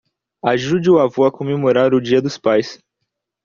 Ajude o avô a comemorar o dia dos pais